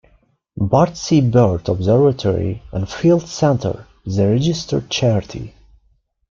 Bardsey Bird Observatory and Field Centre is a registered charity.